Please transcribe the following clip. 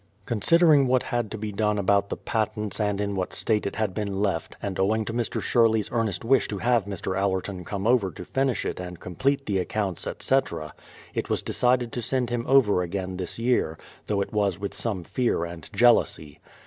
Considering what had to be done about the patents and in what state it had been left, and owing to Mr. Sherley's earnest wish to have Mr. Allerton come over to finish it and complete the accounts, etc., it was decided to send 212 BRADFORD'S HISTORY OF him over again this year, — though it was with some fear and jealousy.